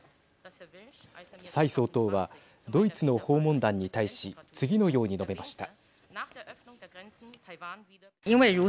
蔡総統は、ドイツの訪問団に対し次のように述べました。